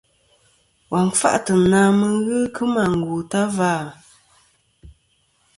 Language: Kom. Wa n-kfâʼtɨ̀ na mɨ n-ghɨ kɨmɨ àngù ta va à?